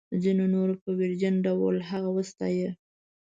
ځینو نورو په ویرجن ډول هغه وستایه.